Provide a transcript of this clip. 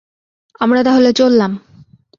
আমরা তাহলে চললাম।